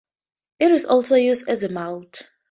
It is also used as a mulch.